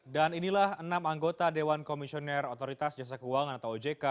dan inilah enam anggota dewan komisioner otoritas jasa keuangan atau ojk